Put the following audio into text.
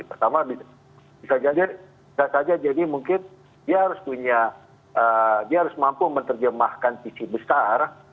pertama bisa saja jadi mungkin dia harus punya dia harus mampu menerjemahkan visi besar